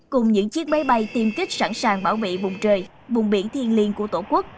cùng những chiếc máy bay tiêm kích sẵn sàng bảo vệ vùng trời vùng biển thiên liên của tổ quốc